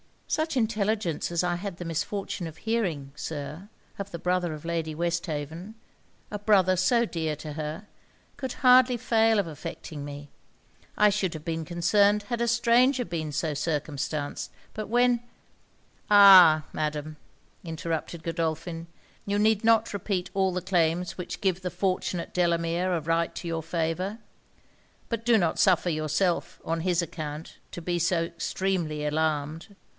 'Such intelligence as I had the misfortune of hearing, Sir, of the brother of Lady Westhaven a brother so dear to her could hardly fail of affecting me. I should have been concerned had a stranger been so circumstanced; but when ' 'Ah! Madam,' interrupted Godolphin, 'you need not repeat all the claims which give the fortunate Delamere a right to your favour. But do not suffer yourself, on his account, to be so extremely alarmed.